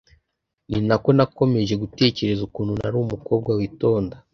Ninako nakomeje gutekereza ukuntu nari umukobwa witonda